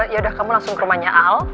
yaudah kamu langsung ke rumahnya al